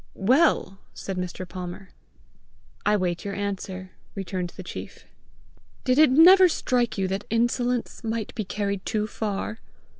"Well!" said Mr. Palmer. "I wait your answer," returned the chief. "Did it never strike you that insolence might be carried too far?"